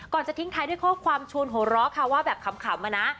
ก่อนจะทิ้งท้ายด้วยข้อความชวนโหร้ค่ะว่าแบบขำอะนะ